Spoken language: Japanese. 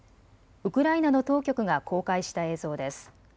ウクライナの当局が公開した映像です。